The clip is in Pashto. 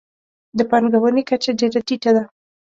د پانګونې کچه ډېره ټیټه ده.